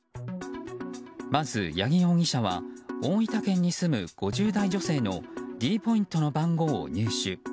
まず、八木容疑者は大分県に住む５０代女性のｄポイントの番号を入手。